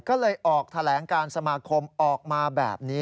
ก็เลยออกแถลงการสมาคมออกมาแบบนี้